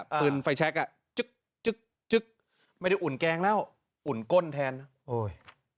ปืนไฟแช็คอ่ะไม่ได้อุ่นแกงแล้วอุ่นก้นแทนโอ้ย